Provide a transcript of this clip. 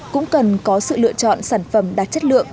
cũng cần có sự lựa chọn sản phẩm đạt chất lượng